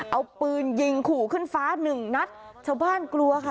เอาปือหยิงขู่ขึ้นฟ้าหนึ่งนัดเฉพาะที่กลัวค่ะ